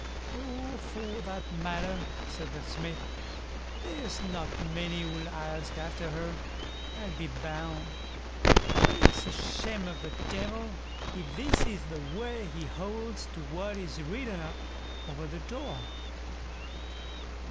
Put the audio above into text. "Oh! for that matter", said the Smith, "there's not many who'll ask after her, I'll be bound; but it's a shame of the Devil, if this is the way he holds to what is written up over the door."